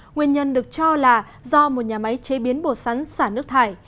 nguyên nhân được cho là do một nhà máy chế biến bột sắn xả nước thải